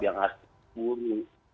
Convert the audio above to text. yang asli guru